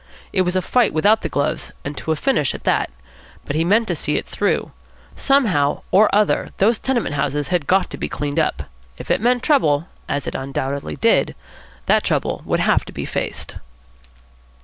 It was a fight without the gloves, and to a finish at that. But he meant to see it through. Somehow or other those tenement houses had got to be cleaned up. If it meant trouble, as it undoubtedly did, that trouble would have to be faced.